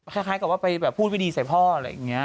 คล้ายกับว่าไปพูดวิดีสัยพ่ออะไรอย่างนี้